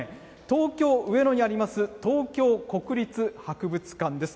東京・上野にあります、東京国立博物館です。